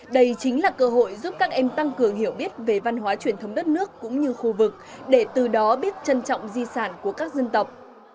đây chính là cơ hội giúp các em tăng cường hiểu biết về văn hóa truyền thống đất nước cũng như khu vực để từ đó biết trân trọng di sản của các dân tộc